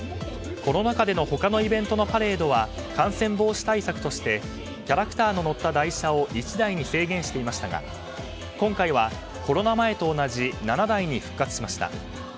コロナ禍での他のイベントのパレードは感染防止対策としてキャラクターの乗った台車を１台に制限していましたが今回はコロナ前と同じ７台に復活しました。